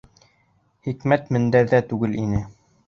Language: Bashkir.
Хикмәт мендәрҙә түгел ине.